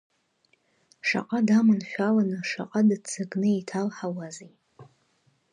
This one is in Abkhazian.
Шаҟа даманшәаланы, шаҟа дыццакны еиҭалҳауазеи!